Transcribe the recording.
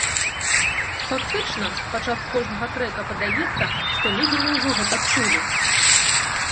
Фактычна, падчас кожнага трэка падаецца, што недзе мы ўжо гэта чулі.